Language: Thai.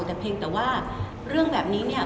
แต่เพียงแต่ว่าเรื่องแบบนี้เนี่ย